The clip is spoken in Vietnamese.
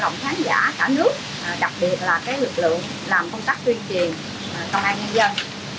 để lại nhiều dấu ảnh sâu đậm trong lòng khán giả cả nước đặc biệt là lực lượng làm công tác tuyên truyền công an nhân dân